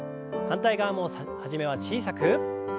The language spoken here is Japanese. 反対側も初めは小さく。